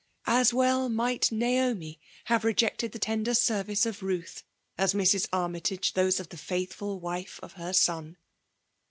As well might Naomi have rejected the tender services of Buth, as Mrs. Armytage those of the faith ful wife of her son.